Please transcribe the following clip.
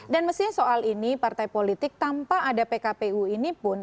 dan mestinya soal ini partai politik tanpa ada pkpu ini pun